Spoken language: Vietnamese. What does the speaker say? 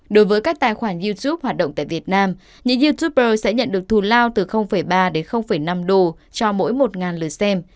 đối với các tài khoản youtube hoạt động tại việt nam những youtuber sẽ nhận được thù lao từ ba năm đô cho mỗi một người